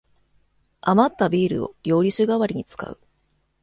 あまったビールを料理酒がわりに使う